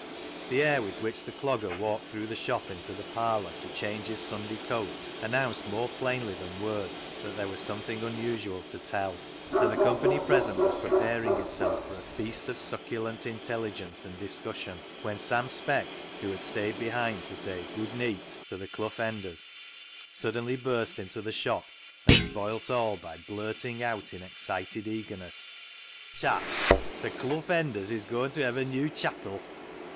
The air with which the Clogger walked through the shop into the parlour to change his Sunday coat announced more plainly than words that there was something unusual to tell, and the company present was preparing itself for a feast of succulent intelligence and dis cussion when Sam Speck, who had stayed behind to say " Good neet " to the Clough Enders, suddenly burst into the shop and spoilt all by blurting out in excited eagerness —" Chaps ! th' Clough Enders is goin' ta hev' a new chapil."